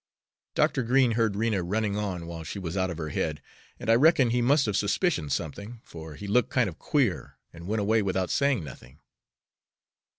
Dr. Green heard Rena running on while she was out of her head, and I reckon he must have suspicioned something, for he looked kind of queer and went away without saying nothing.